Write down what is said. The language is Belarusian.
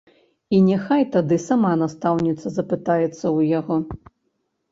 І няхай тады сама настаўніца запытаецца ў яго.